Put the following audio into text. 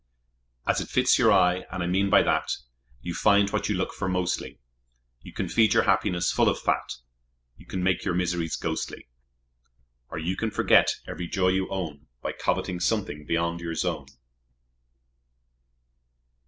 As it fits your eye, and I mean by that You find what you look for mostly; You can feed your happiness full and fat, You can make your miseries ghostly, Or you can forget every joy you own By coveting something beyond your zone.